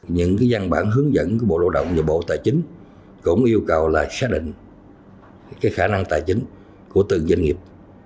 những văn bản hướng dẫn của bộ lao động và bộ tài chính cũng yêu cầu là xác định khả năng tài chính của từng doanh nghiệp